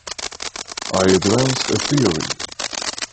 I advanced a theory!